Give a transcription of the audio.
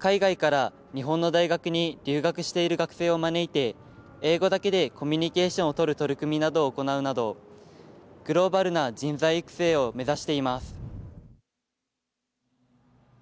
海外から日本の大学に留学している学生を招いて英語だけでコミュニケーションをとる取り組みなどを行うなどグローバルな人材育成を目指しています。